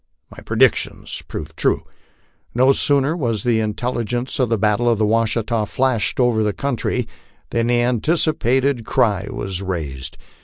My predictions proved true ; no sooner was the intelligence of the battle of the Washita flashed over the country than the anticipated cry was raised.